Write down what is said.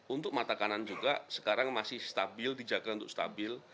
untuk mata kanan juga sekarang masih stabil dijaga untuk stabil